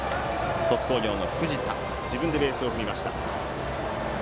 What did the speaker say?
鳥栖工業の藤田が自分でベースを踏みました。